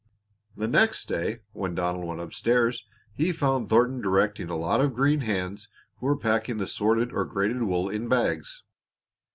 The next day when Donald went up stairs he found Thornton directing a lot of green hands who were packing the sorted, or graded wool, in bags.